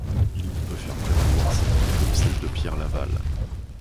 Il ne peut faire prévaloir ses vues contre celles de Pierre Laval.